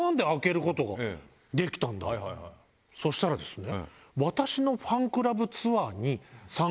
そしたらですね。